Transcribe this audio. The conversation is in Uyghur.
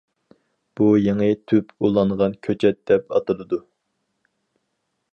بۇ يېڭى تۈپ ئۇلانغان كۆچەت دەپ ئاتىلىدۇ.